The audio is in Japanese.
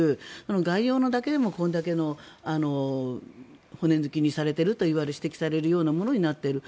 概要だけでもこれだけの骨抜きにされていると指摘されるようなものになっている。